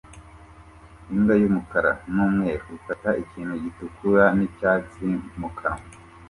Imbwa y'umukara n'umweru ifata ikintu gitukura n'icyatsi mu kanwa